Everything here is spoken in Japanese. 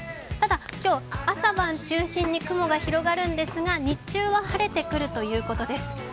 ただ、今日、朝晩中心に雲が広がるんですが日中は晴れてくるということです。